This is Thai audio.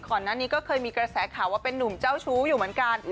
ก่อนหน้านี้ก็เคยมีกระแสข่าวว่าเป็นนุ่มเจ้าชู้อยู่เหมือนกัน